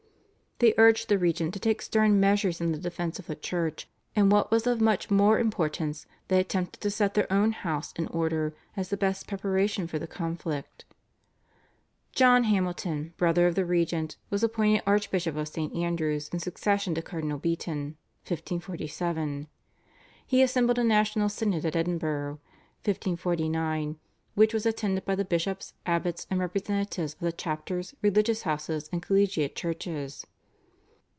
They urged the regent to take stern measures in defence of the church, and what was of much more importance they attempted to set their own house in order as the best preparation for the conflict. John Hamilton, brother of the regent, was appointed Archbishop of St. Andrew's in succession to Cardinal Beaton (1547). He assembled a national synod at Edinburgh (1549) which was attended by the bishops, abbots, and representatives of the chapters, religious houses, and collegiate churches.